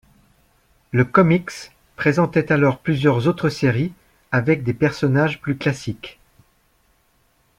Le comics présentait alors plusieurs autres séries avec des personnages plus classiques.